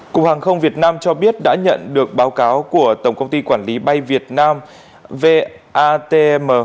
cục hàng không việt nam cho biết đã nhận được báo cáo của tổng công ty quản lý bay việt nam vatm